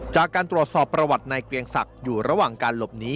จากการตรวจสอบประวัติในเกรียงศักดิ์อยู่ระหว่างการหลบหนี